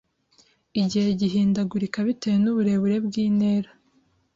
Igihe gihindagurika bitewe n’uburebure bw’intera